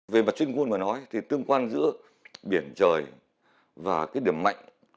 về mặt chinh quân mà nói thì tương quan giữa biển trời và cái điểm mạnh